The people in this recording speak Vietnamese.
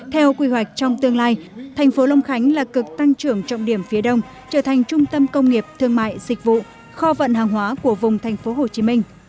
theo quy hoạch trong tương lai thành phố long khánh là cực tăng trưởng trọng điểm phía đông trở thành trung tâm công nghiệp thương mại dịch vụ kho vận hàng hóa của vùng thành phố hồ chí minh